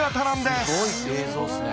すごい映像っすね。